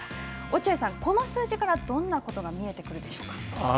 落合さん、この数字からどんなことが見えてくるでしょうか。